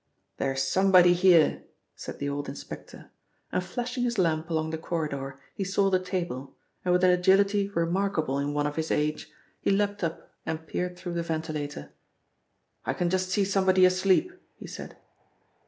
"There's somebody here," said the old inspector, and flashing his lamp along the corridor he saw the table, and with an agility remarkable in one of his age, he leapt up and peered through the ventilator. "I can just see somebody asleep," he said.